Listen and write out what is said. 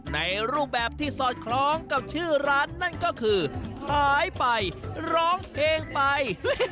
ในรูปแบบที่สอดคล้องกับชื่อร้านนั่นก็คือขายไปร้องเพลงไป